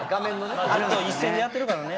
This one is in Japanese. ずっと一線でやってるからね。